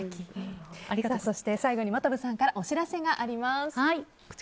そして、最後に真飛さんからお知らせがあります。